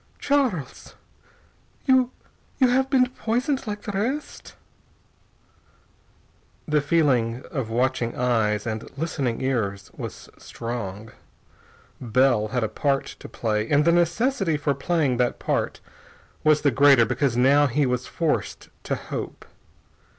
"Charles you you have been poisoned like the rest?" The feeling of watching eyes and listening ears was strong. Bell had a part to play, and the necessity for playing that part was the greater because now he was forced to hope.